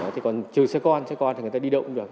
thì còn trừ xe con xe con thì người ta đi động được